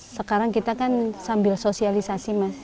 sekarang kita kan sambil sosialisasi mas